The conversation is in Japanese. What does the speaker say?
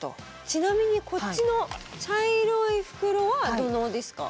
ちなみにこっちの茶色い袋は土嚢ですか？